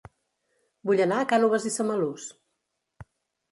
Vull anar a Cànoves i Samalús